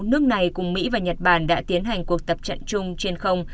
nước này cùng mỹ và nhật bản đã tiến hành cuộc tập trận chung trên không